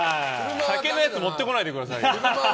酒のやつ持ってこないでくださいよ！